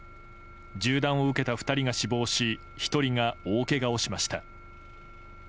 銃弾を受けた２人が死亡し１人が大けがをしました。